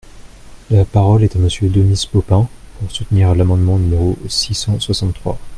La parole est à Monsieur Denis Baupin, pour soutenir l’amendement numéro six cent soixante-trois.